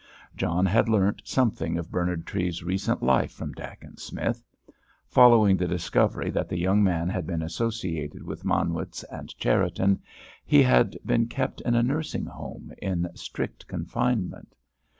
John had learnt something of Bernard Treves's recent life from Dacent Smith. Following the discovery that the young man had been associated with Manwitz and Cherriton, he had been kept in a nursing home in strict confinement.